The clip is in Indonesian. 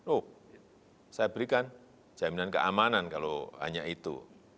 oh saya berikan jaminan keamanan kalau hanya itu